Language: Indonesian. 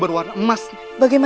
kau orang akhirilmu